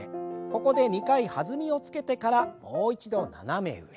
ここで２回弾みをつけてからもう一度斜め上。